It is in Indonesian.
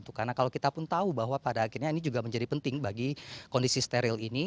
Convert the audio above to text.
karena kalau kita pun tahu bahwa pada akhirnya ini juga menjadi penting bagi kondisi steril ini